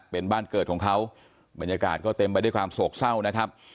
เป็นบ้านเกิดของเขาบรรยากาศก็เต็มไปด้วยความโศกเศร้านะครับ